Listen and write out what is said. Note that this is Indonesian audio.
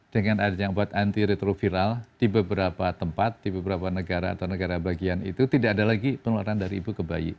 dengan adanya obat anti retroviral di beberapa tempat di beberapa negara atau negara bagian itu tidak ada lagi penularan dari ibu ke bayi